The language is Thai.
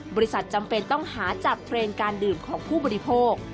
จำเป็นต้องหาจับเทรนด์การดื่มของผู้บริโภค